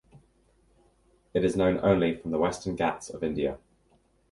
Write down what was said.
It is known only from the Western Ghats of India.